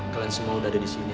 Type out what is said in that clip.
kalian semua udah ada disini